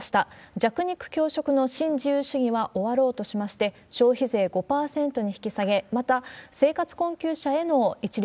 弱肉強食の新自由主義は終わろうとしていまして、消費税５％に引き下げ、また生活困窮者への一律